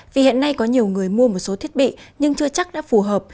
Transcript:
vì hiện nay có nhiều người mua một số thiết bị nhưng chưa chắc đã phù hợp